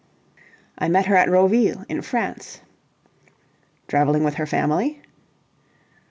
"I met her at Roville, in France." "Travelling with her family?"